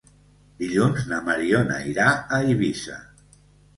Dilluns na Mariona irà a Eivissa.